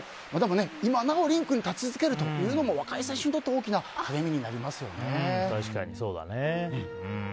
今なおリンクに立ち続けるというのも若い選手にとって大きな励みになりますよね。